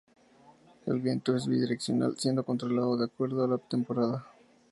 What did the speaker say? El viento es bidireccional, siendo controlado de acuerdo a la temporada.